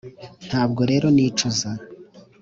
ntabwo rero nicuza,